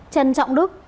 trần trọng đức